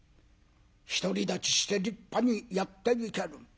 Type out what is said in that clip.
独り立ちして立派にやっていける。